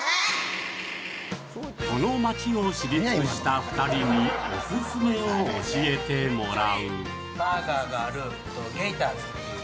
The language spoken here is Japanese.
この街を知り尽くした２人にオススメを教えてもらうあぁ